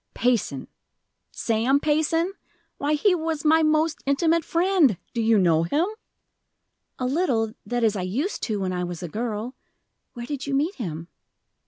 "Payson Sam Payson? Why, he was my most intimate friend! Do you know him?" "A little that is, I used to, when I was a girl. Where did you meet him?"